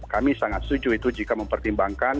kami sangat setuju itu jika mempertimbangkan